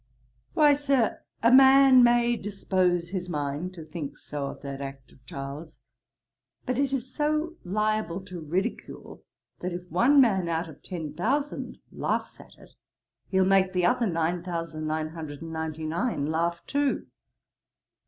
'Why, Sir, a man may dispose his mind to think so of that act of Charles; but it is so liable to ridicule, that if one man out of ten thousand laughs at it, he'll make the other nine thousand nine hundred and ninety nine laugh too.'